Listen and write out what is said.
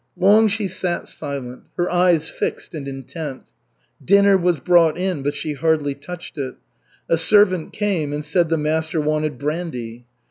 Long she sat silent, her eyes fixed and intent. Dinner was brought in, but she hardly touched it; a servant came and said the master wanted brandy.